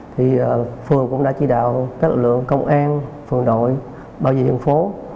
thì phường cũng đã chỉ đạo các lực lượng công an phường đội bảo vệ dân phố